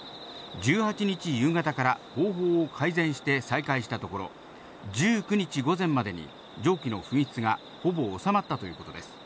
１８日夕方から方法を改善して再開したところ、１９日午前までに蒸気の噴出がほぼ収まったということです。